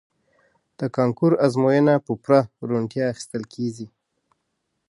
د کانکور ازموینه په پوره روڼتیا اخیستل کیږي.